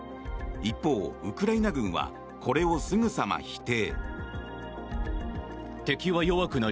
一方、ウクライナ軍はこれをすぐさま否定。